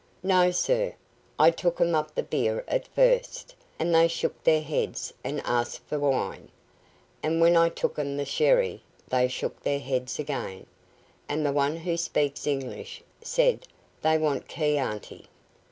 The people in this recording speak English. "No, sir; I took 'em up the beer at first, and they shook their heads and asked for wine, and when I took 'em the sherry they shook their heads again, and the one who speaks English said they want key aunty."